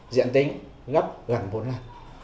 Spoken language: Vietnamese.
diện tính gấp gần bốn lần